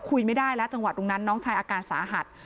ไม่ได้แล้วจังหวะตรงนั้นน้องชายอาการสาหัส